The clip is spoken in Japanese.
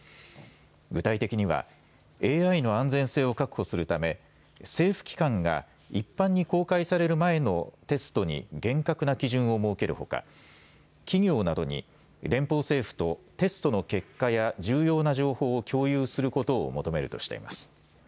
具体的にはＡＩの安全性を確保するため政府機関が一般に公開される前のテストに厳格な基準を設けるほか企業などに連邦政府とテストの結果や重要な情報を共有することを求めるとしています。